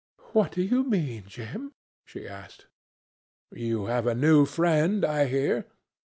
"What do you mean, Jim?" she asked. "You have a new friend, I hear.